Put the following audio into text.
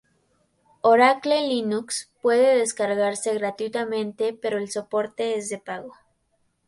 Oracle Linux puede descargarse gratuitamente pero el soporte es de pago.